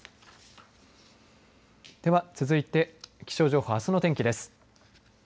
では、続いて気象情報あすの天気です。